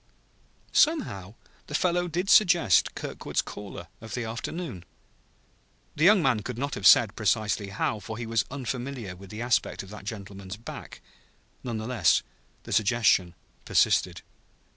Somehow the fellow did suggest Kirkwood's caller of the afternoon. The young man could not have said precisely how, for he was unfamiliar with the aspect of that gentleman's back. None the less the suggestion persisted.